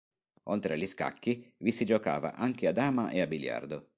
Oltre agli scacchi, vi si giocava anche a dama e a biliardo.